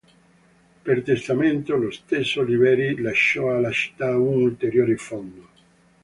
Per testamento lo stesso Oliveri lasciò alla Città un ulteriore fondo.